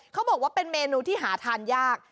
เขาบอกว่าเป็นเมนูที่หาทานยาก